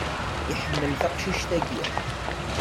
Iḥemmel taqcict-agi.